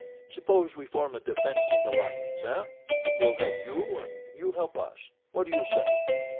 "Suppose we form a defensive alliance, eh? We'll help you and you help us. What do you say?"